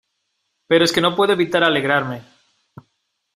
pero es que no puedo evitar alegrarme.